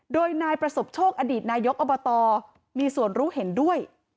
โดยนายประสบโชคอดีตนายกอบตมีส่วนรู้เห็นด้วย